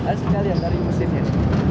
hasil galian dari mesinnya